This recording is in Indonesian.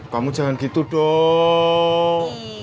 kamu jangan gitu dong